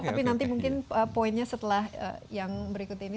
tapi nanti mungkin poinnya setelah yang berikut ini